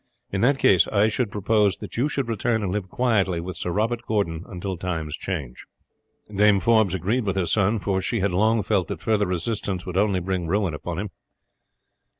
In that case I should propose that you should return and live quietly with Sir Robert Gordon until times change." Dame Forbes agreed with her son, for she had long felt that further resistance would only bring ruin upon him.